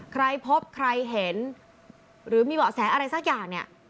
ใครพบใครเห็นหรือมีเบาะแสอะไรสักอย่างเนี่ย